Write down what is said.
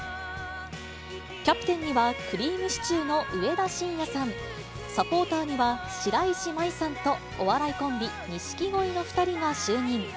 キャプテンには、くりぃむしちゅーの上田晋也さん、サポーターには、白石麻衣さんとお笑いコンビ、錦鯉の２人が就任。